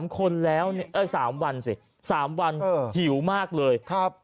๓คนแล้ว๓วันสิ๓วันหิวมากเลย